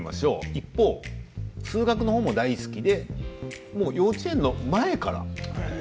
一方、数学も大好きで幼稚園の前から。